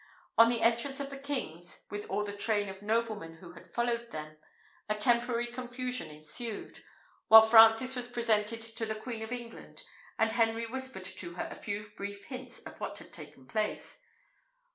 On the entrance of the kings, with all the train of noblemen who had followed them, a temporary confusion ensued, while Francis was presented to the Queen of England, and Henry whispered to her a few brief hints of what had taken place.